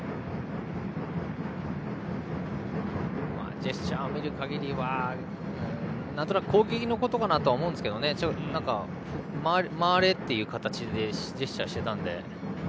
ジェスチャーを見る限りはなんとなく攻撃のことかなと思うんですが回れ、という形でジェスチャーしていたので。